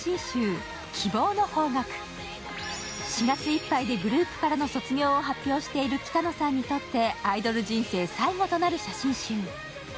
４月いっぱいでグループからの卒業を発表している北野さんにとってアイドル人生最後となる写真集。